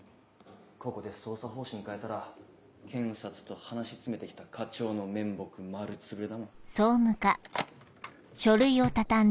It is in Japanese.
ここで捜査方針変えたら検察と話詰めて来た課長の面目丸つぶれだもん。